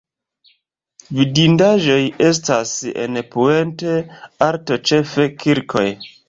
Vidindaĵoj estas en Puente Alto ĉefe kirkoj.